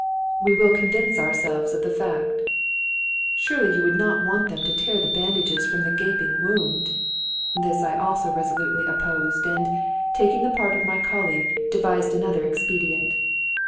"We will convince ourselves of the fact." "Surely you would not want them to tear the bandages from the gaping wound?" This I also resolutely opposed, and, taking the part of my colleague, devised another expedient.